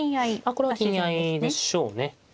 これは金合いでしょうね。